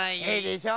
でしょ。